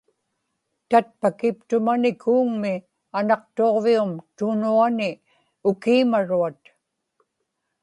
tatpakiptumani kuuŋmi Anaqtuġvium tunuani ukiimaruat